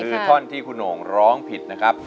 คือท่อนที่คุณโหงร้องผิดนะครับ